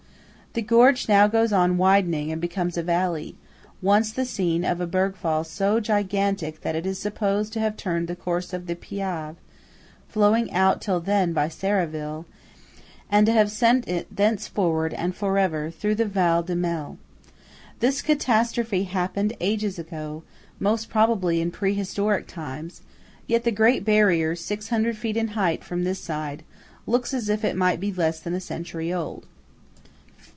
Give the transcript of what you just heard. The gorge now goes on widening and becomes a valley, once the scene of a bergfall so gigantic that it is supposed to have turned the course of the Piave (flowing out till then by Serravalle) and to have sent it thenceforward and for ever through the Val di Mel. This catastrophe happened ages ago–most probably in pre historic times; yet the great barrier, six hundred feet in height from this side, looks as if it might be less than a century old.